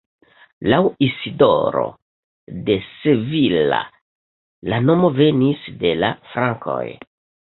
Laŭ Isidoro de Sevilla la nomo venis de la frankoj.